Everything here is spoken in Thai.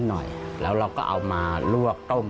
เชิญติดตามรัวของคุณต้นจะน่าสนใจขนาดไหน